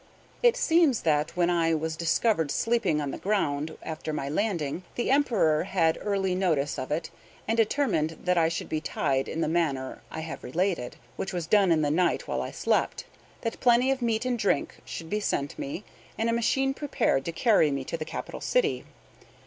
It seems that, when I was discovered sleeping on the ground after my landing, the Emperor had early notice of it, and determined that I should be tied in the manner I have related (which was done in the night, while I slept), that plenty of meat and drink should be sent me, and a machine prepared to carry me to the capital city.